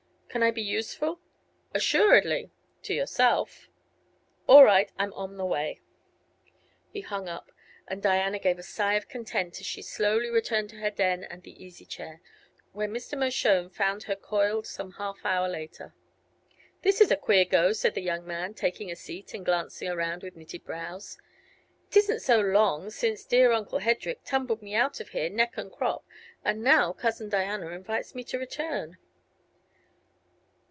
"Can I be useful?" "Assuredly; to yourself." "All right; I'm on the way." He hung up, and Diana gave a sigh of content as she slowly returned to her den and the easy chair, where Mr. Mershone found her "coiled" some half hour later. "This is a queer go," said the young man, taking a seat and glancing around with knitted brows. "It isn't so long since dear Uncle Hedrik tumbled me out of here neck and crop; and now Cousin Diana invites me to return."